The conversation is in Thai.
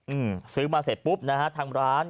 อืมซื้อมาเสร็จปุ๊บนะฮะทางร้าน